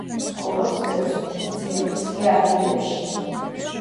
ცხოვრობს პერუს მთისწინების ღია ადგილებში.